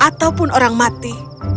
ataupun orang mati